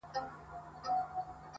• گراني رڼا مه كوه مړ به مي كړې.